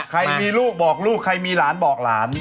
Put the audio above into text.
ใครมีลูกบอกลูกใครมีหลานบอกหลาน